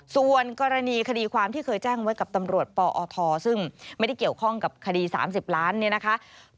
ส่วนกรณีคดีความที่เคยแจ้งไว้กับตำรวจปอทซึ่งไม่ได้เกี่ยวข้องกับคดี๓๐ล้านเนี่ยนะคะ